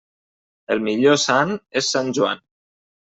El millor sant és Sant Joan.